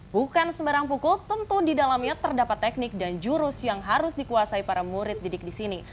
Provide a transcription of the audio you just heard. bukan sembarang pukul tentu di dalamnya terdapat teknik dan jurus yang harus dikuasai para murid didik di sini